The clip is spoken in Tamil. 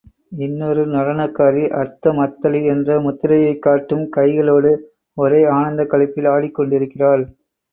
இன்னொரு நடனக்காரி அர்த்தமத்தளி என்ற முத்திரையைக் காட்டும் கைகளோடு, ஒரே ஆனந்தக் களிப்பில் ஆடிக் கொண்டிருக்கிறாள்.